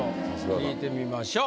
聞いてみましょう。